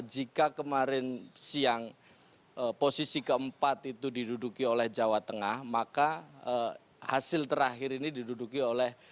jika kemarin siang posisi keempat itu diduduki oleh jawa tengah maka hasil terakhir ini diduduki oleh